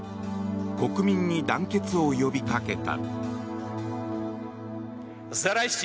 国民に団結を呼びかけた。